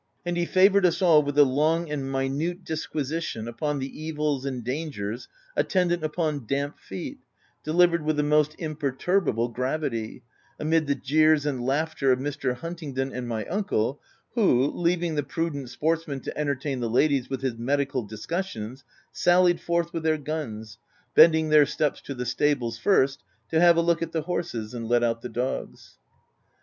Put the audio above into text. And ho 332 THE TENANT favoured us all with a long and minute dis quisition upon the evils and dangers attendant upon damp feet, delivered with the most imper turbable gravity, amid the jeers and laughter of Mr. Huntingdon and my uncle, who, leaving the prudent sportsman to entertain the ladies with his medical discussions, sallied forth with their guns, bending their steps to the stables first, to have a look at the horses, and let out the dogs.